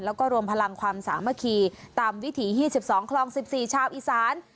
แล้วก็รวมพลังความสามัคคีตามวิถี๒๒คลอง๑๔ชาวอีสาน